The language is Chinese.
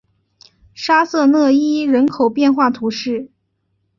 沙瑟讷伊人口变化图示